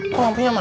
kok lampunya mati